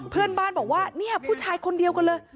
เพื่อนบ้านบอกว่าเนี่ยผู้ชายคนเดียวกันเลย